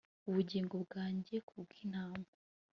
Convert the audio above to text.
ubugingo bwanjye ku bw intama